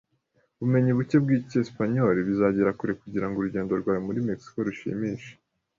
Ubumenyi buke bw'Icyesipanyoli bizagera kure kugira ngo urugendo rwawe muri Mexico rushimishe